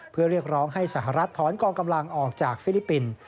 เพื่อเรียกร้องให้สหรัฐถอนกองกำลังออกจากฟิลิปปินส์